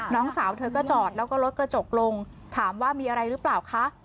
น้องสาวเธอก็จอดแล้วก็รถกระจกลงถามว่ามีอะไรหรือเปล่าคะ